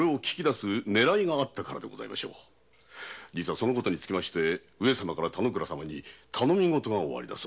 その事につきましては上様から田之倉様に頼み事がおありだと。